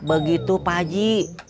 begitu pak haji